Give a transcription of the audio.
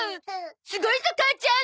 すごいゾ母ちゃん！